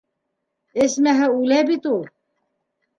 Эсмәһә, үлә бит ул.